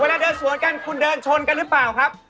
เวลาเดินสวนกันคุณเดินชนกันหรือเปล่าครับ